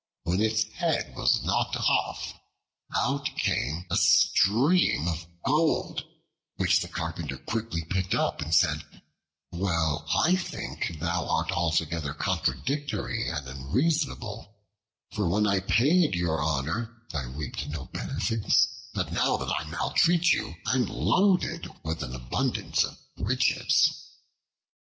When its head was knocked off, out came a stream of gold, which the Carpenter quickly picked up and said, "Well, I think thou art altogether contradictory and unreasonable; for when I paid you honor, I reaped no benefits: but now that I maltreat you I am loaded with an abundance of riches."